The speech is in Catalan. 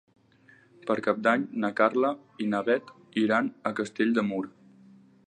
Per Cap d'Any na Carla i na Bet iran a Castell de Mur.